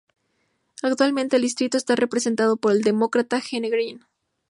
Actualmente el distrito está representado por el Demócrata Gene Green.